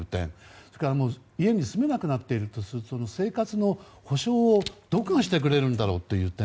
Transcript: それから家に住めなくなっている人の生活の保障を、どこがしてくれるんだろうという点。